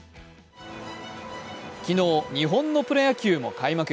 昨日、日本のプロ野球も開幕。